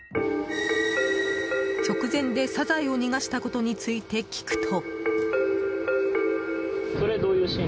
直前でサザエを逃がしたことについて聞くと。